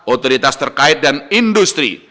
otoritas terkait dan industri